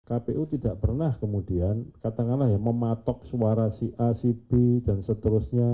kpu tidak pernah kemudian katakanlah ya mematok suara si a si b dan seterusnya